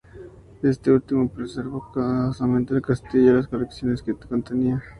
Este último preservó cuidadosamente el castillo y las colecciones que contenía.